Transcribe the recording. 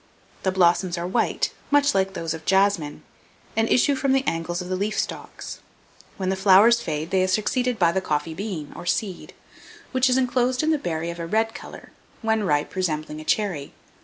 The blossoms are white, much like those of jasmine, and issue from the angles of the leaf stalks. When the flowers fade, they are succeeded by the coffee bean, or seed, which is inclosed in a berry of a red colour, when ripe resembling a cherry.